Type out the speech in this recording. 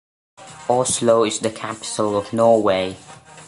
Oslo is the capital of Norway.